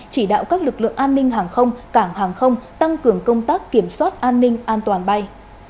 chỉ đạo các lực lượng an ninh hàng không cảng hàng không tăng cường công tác kiểm soát an ninh an toàn bay